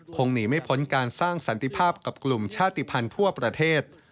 หนีไม่พ้นการสร้างสันติภาพกับกลุ่มชาติภัณฑ์ทั่วประเทศ